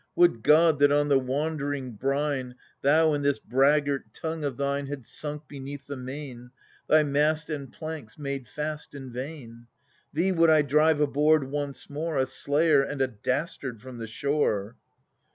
Would God that on the wand'ring brine Thou and this braggart tongue of thine Had sunk beneath the main — Thy mast and planks, made fast in vain ! Thee would I drive aboard once more, A slayer and a dastard, from the shore